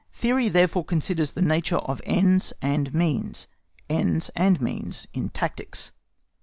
THEORY THEREFORE CONSIDERS THE NATURE OF ENDS AND MEANS—ENDS AND MEANS IN TACTICS.